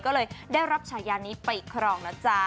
ก็เลยได้รับฉายานี้ไปครองนะจ๊ะ